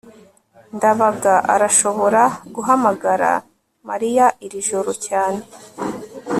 ndabaga arashobora guhamagara mariya iri joro cyane